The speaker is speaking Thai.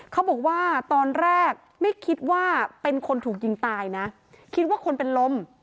เขาบอกว่าตอนแรกไม่คิดว่าเป็นคนถูกยิงตายนะคิดว่าคนเป็นลม